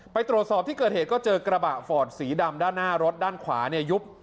ไปตรวจสอบที่เกิดเหตุก็เจอกระบะฟอร์ดสีดำด้านหน้ารถด้านขวาเนี่ยยุบ